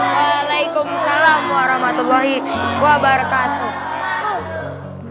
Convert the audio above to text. waalaikumsalam warahmatullahi wabarakatuh